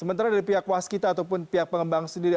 sementara dari pihak was kita ataupun pihak pengembang sendiri